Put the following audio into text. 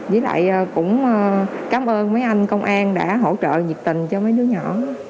với lại cũng cảm ơn mấy anh công an đã hỗ trợ nhiệt tình cho mấy đứa nhỏ